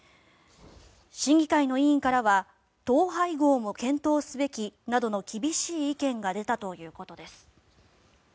審議会の委員からは統廃合も検討すべきなどの厳しい意見が出たということです。